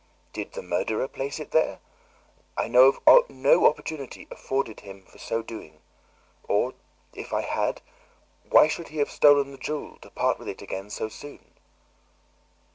Did the murderer place it there? I know of no opportunity afforded him for so doing; or, if I had, why should he have stolen the jewel, to part with it again so soon?